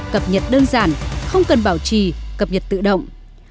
cập nhật đơn giản không cần bảo trì cập nhật tự động